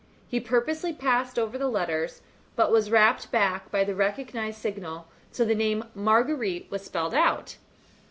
He purposely passed over the letters, but was rapped back by the recognised signal till the name "Marguerite" was spelled out.